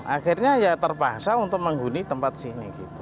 akhirnya ya terpaksa untuk menghuni tempat sini gitu